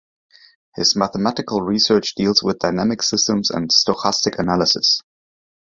His mathematical research deals with dynamical systems and stochastic analysis.